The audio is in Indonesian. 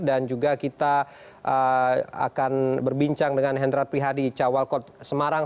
dan juga kita akan berbincang dengan hendrat prihadi cawalkot semarang